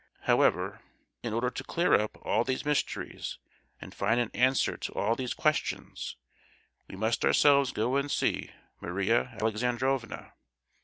However, in order to clear up all these mysteries and find an answer to all these questions, we must ourselves go and see Maria Alexandrovna.